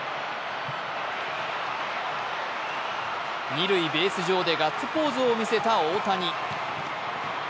二塁ベース上でガッツポーズを見せた大谷。